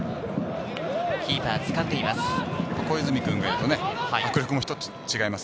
キーパー、つかんでいます。